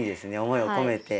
思いを込めて。